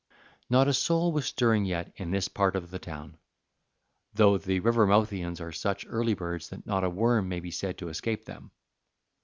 Not a soul was stirring yet in this part of the town, though the Rivermouthians are such early birds that not a worm may be said to escape them.